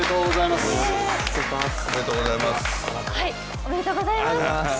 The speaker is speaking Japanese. おめでとうございます！